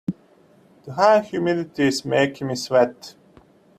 The high humidity is making me sweat.